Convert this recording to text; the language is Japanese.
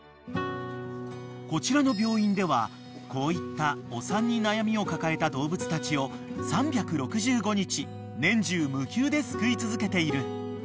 ［こちらの病院ではこういったお産に悩みを抱えた動物たちを３６５日年中無休で救い続けている］